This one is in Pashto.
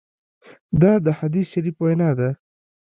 دا د حدیث شریف وینا ده.